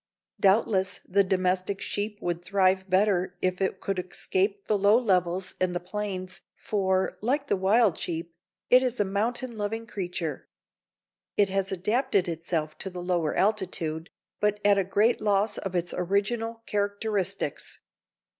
Doubtless the domestic sheep would thrive better if it could escape the low levels and the plains, for, like the wild sheep, it is a mountain loving creature. It has adapted itself to the lower altitude, but at a great loss of its original characteristics.